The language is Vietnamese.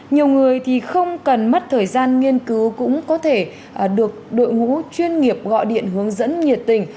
nhiều người thì không cần mất thời gian nghiên cứu cũng có thể được đội ngũ chuyên nghiệp gọi điện hướng dẫn nhiệt tình